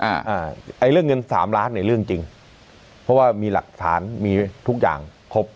อ่าอ่าไอ้เรื่องเงินสามล้านเนี่ยเรื่องจริงเพราะว่ามีหลักฐานมีทุกอย่างครบ